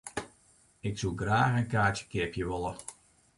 Ik soe graach in kaartsje keapje wolle.